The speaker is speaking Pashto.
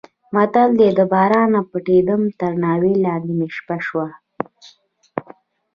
متل دی: له بارانه پټېدم تر ناوې لاندې مې شپه شوه.